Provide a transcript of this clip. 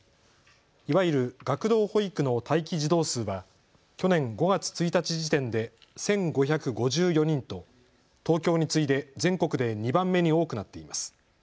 いわゆる学童保育の待機児童数は去年５月１日時点で１５５４人と東京に次いで全国で２番目に多くなっています。